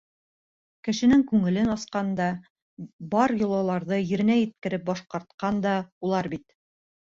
Кешенең күңелен асҡан да, бар йолаларҙы еренә еткереп башҡартҡан да улар бит.